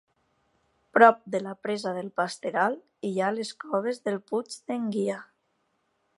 Prop de la presa del Pasteral hi ha les coves del Puig d'en Guia.